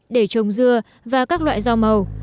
để trồng dưa và các loại rau màu